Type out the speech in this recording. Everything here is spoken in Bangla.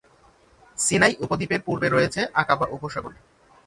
সিনাই উপদ্বীপের পূর্বে রয়েছে আকাবা উপসাগর।